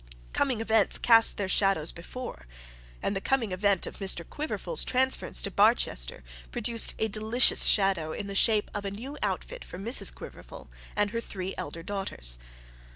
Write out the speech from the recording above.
Coming events cast their shadows before, and the coming event of Mr Quiverful's transference to Barchester produced a delicious shadow in the shape of a new outfit for Mrs Quiverful and her three elder daughters.